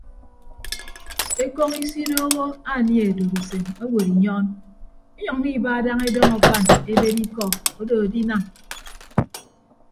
Ekọñ isidooho anie odod usen owod inyọọn inyʌññọ iba daña edọñ akpan ebed ikọ odo edinam.